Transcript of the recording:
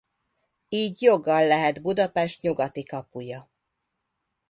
Így joggal lehet Budapest nyugati kapuja.